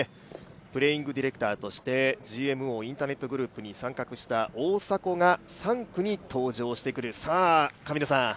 プレーイングディレクターとしてＧＭＯインターネットグループに参画した参画した大迫が３区に登場してきます。